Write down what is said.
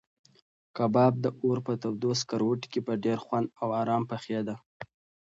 کباب د اور په تودو سکروټو کې په ډېر خوند او ارام پخېده.